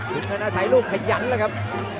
ถึงหน้าสายรูปขยันแล้วครับ